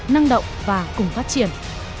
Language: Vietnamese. năng động và cùng phát triển